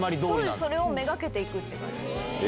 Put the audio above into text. そうですめがけて行くって感じ。